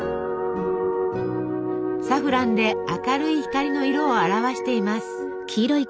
サフランで明るい光の色を表しています。